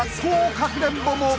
かくれんぼも］